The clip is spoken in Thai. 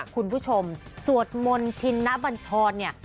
คุณผู้ชมสวดมนต์ชินนบัญชรเนี่ย